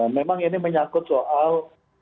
memang ini menyangkut soal